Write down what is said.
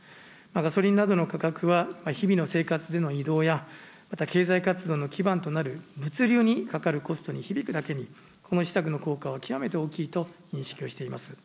ガソリンなどの価格は、日々の生活での移動やまた経済活動の基盤となる物流にかかるコストに響くだけに、この施策の効果は極めて大きいと認識をしています。